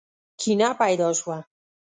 کینه پیدا شوه.